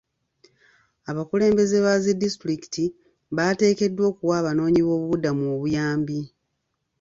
Abakulembeze ba zi disitulikikiti bateekeddwa okuwa abanoonyiboobubuddamu obuyambi .